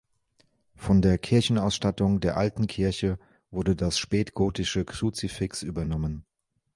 Von der Kirchenausstattung der alten Kirche wurde das spätgotische Kruzifix übernommen.